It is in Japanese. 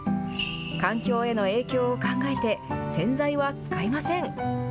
環境への影響を考えて洗剤は使いません。